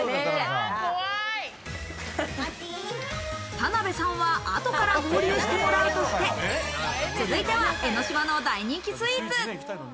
田辺さんは後から合流してもらうとして、続いては江の島の大人気スイーツ。